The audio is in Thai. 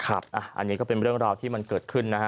อันนี้ก็เป็นเรื่องราวที่มันเกิดขึ้นนะฮะ